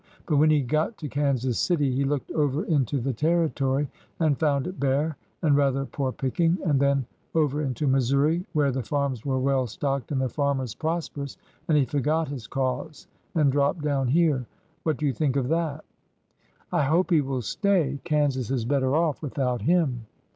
But when he got to Kansas City he looked over into the territory and found it bare and rather poor picking, and then over into Mis souri, where the farms were well stocked and the farmers prosperous, and he forgot his cause and dropped down here. What do you think of that?" . I hope he will stay. Kansas is better off without him."